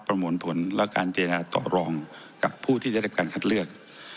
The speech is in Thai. มวลผลและการเจนาต่อรองกับผู้ที่จะได้รับการคัดเลือก